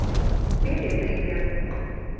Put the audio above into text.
Теве пример.